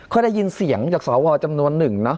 ก็ได้ยินเสียงจากสวจำนวนหนึ่งนะ